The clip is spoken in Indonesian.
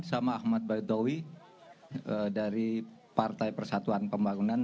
sama ahmad baidowi dari partai persatuan pembangunan